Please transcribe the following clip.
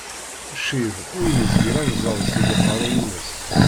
Ccib ur yezgil anẓad seg uqqeru-ines.